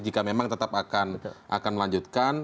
jika memang tetap akan melanjutkan